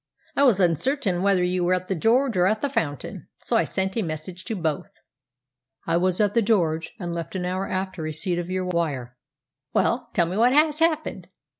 I was uncertain whether you were at the 'George' or at the 'Fountain,' so I sent a message to both." "I was at the 'George,' and left an hour after receipt of your wire." "Well, tell me what has happened.